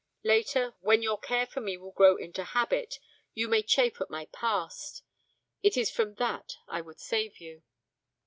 Later, when your care for me will grow into habit, you may chafe at my past. It is from that I would save you.'